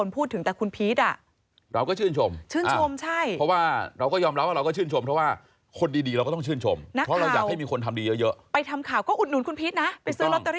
เพราะว่ามันไม่ใช่เงินเราไม่อยากได้เลย